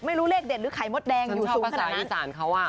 ไม่รู้เลขเด็ดหรือไขมตแดงอยู่สูงขนาดนั้น